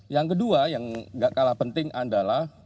yang kedua yang gak kalah penting adalah